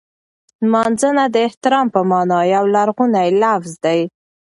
نمځنه د احترام په مانا یو لرغونی لفظ دی.